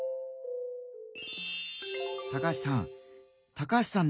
高橋さん。